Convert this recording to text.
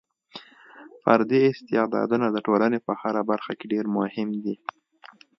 فردي استعدادونه د ټولنې په هره برخه کې ډېر مهم دي.